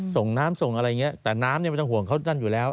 ส่งน้ำส่งอะไรอย่างนี้แต่น้ำเนี่ยไม่ต้องห่วงเขานั่นอยู่แล้ว